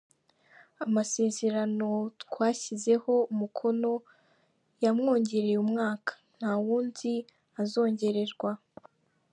Amasezerano twashyizeho umukono yamwongereye umwaka, nta wundi azongererwa.